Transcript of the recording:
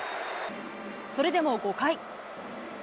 それでも５回。